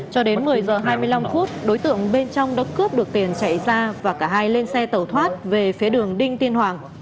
cho đến một mươi h hai mươi năm phút đối tượng bên trong đã cướp được tiền chạy ra và cả hai lên xe tẩu thoát về phía đường đinh tiên hoàng